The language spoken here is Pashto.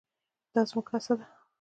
دا زموږ هڅه ده.